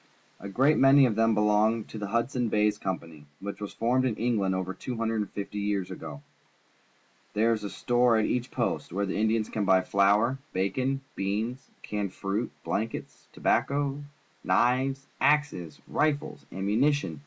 A great many of them belong to the Hudson's Bay Company, which was formed in England over two hundred and fifty years ago. There is a store at each post, where the Indians can buy flour, bacon, beans, canned fruit, blankets, tobacco, knives, axes, rifles, ammunition, and many other Indians come paddUng down to the posts.